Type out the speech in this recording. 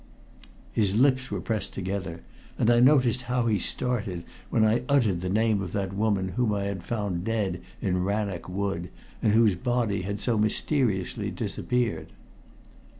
His lips were pressed together, and I noticed how he started when I uttered the name of that woman whom I had found dead in Rannoch Wood, and whose body had so mysteriously disappeared.